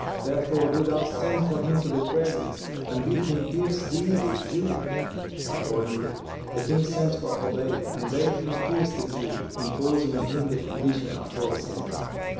Therefore do thou send for him to the presence and bid him pierce thee this jewel.' Accordingly the King sent for Obayd and bade him pierce the jewel, imposing on him the condition aforesaid.